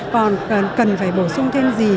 còn cần phải bổ sung thêm